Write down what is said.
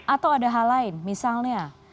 atau ada hal lain misalnya